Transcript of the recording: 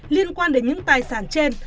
liên quan đến những tài sản trên